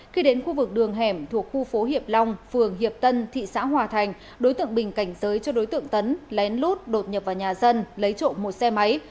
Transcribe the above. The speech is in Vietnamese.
khi đến khu vực đường hẻm thuộc khu phố hiệp long phường hiệp tân thị xã hòa thành đối tượng bình cảnh giới cho đối tượng tấn lén lút đột nhập vào nhà dân lấy trộm một xe máy